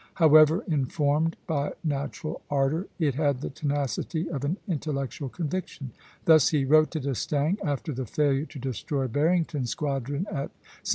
However informed by natural ardor, it had the tenacity of an intellectual conviction. Thus he wrote to D'Estaing, after the failure to destroy Barrington's squadron at Sta.